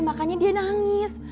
makanya dia nangis